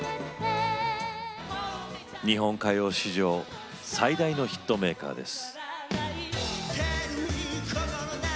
日本歌謡史上最大のヒットメーカーです。